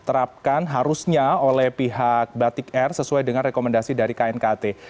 diterapkan harusnya oleh pihak batik air sesuai dengan rekomendasi dari knkt